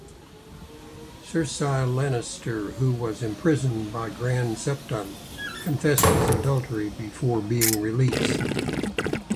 Cersei Lannister, who was imprisoned by Grand Septon, confessed his adultery before being released.